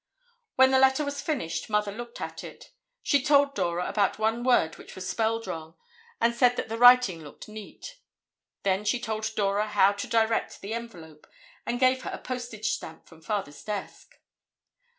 When the letter was finished, Mother looked at it. She told Dora about one word which was spelled wrong and said that the writing looked neat. Then she told Dora how to direct the envelope and gave her a postage stamp from Father's desk.